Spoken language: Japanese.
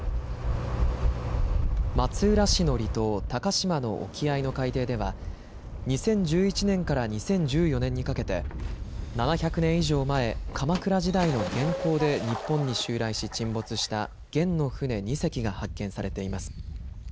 松浦市の離島、鷹島の沖合の海底では２０１１年から２０１４年にかけて７００年以上前、鎌倉時代の元寇で日本に襲来し沈没した元の船２隻が発見されています。